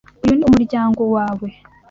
Uyu ni umuryango wawe?